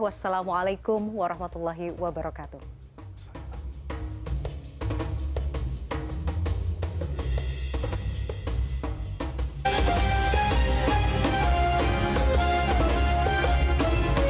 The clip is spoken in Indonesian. wassalamualaikum warahmatullahi wabarakatuh